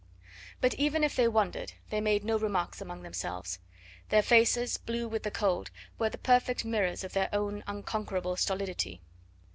But even if they wondered they made no remarks among themselves. Their faces, blue with the cold, were the perfect mirrors of their own unconquerable stolidity.